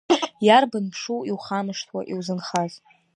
Иарбан мшу иухамышҭуа иузынхаз?